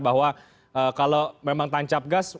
bahwa kalau memang tancap gas